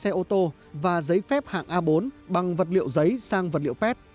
giấy phép lái xe ô tô và giấy phép hạng a bốn bằng vật liệu giấy sang vật liệu pet